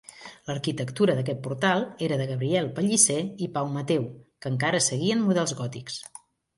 L'arquitectura d'aquest portal era de Gabriel Pellicer i Pau Mateu, que encara seguien models gòtics.